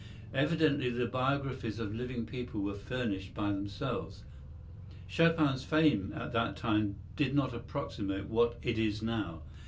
Evidently the biographies of living people were furnished by themselves. Chopin's fame at that time did not approximate what it is now.